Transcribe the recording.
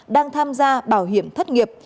đang tham gia bảo hiểm thất nghiệp